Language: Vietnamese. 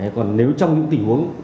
còn nếu trong những tình huống